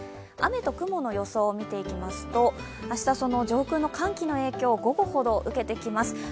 雨と雲の予想を見ていきますと、明日は上空の寒気の影響、午後ほど受けてきます。